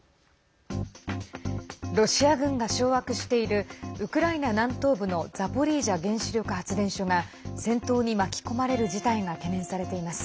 ロシア軍が掌握しているウクライナ南東部のザポリージャ原子力発電所が戦闘に巻き込まれる事態が懸念されています。